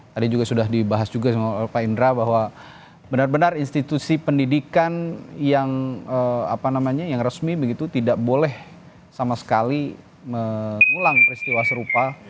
tadi juga sudah dibahas juga sama pak indra bahwa benar benar institusi pendidikan yang resmi begitu tidak boleh sama sekali mengulang peristiwa serupa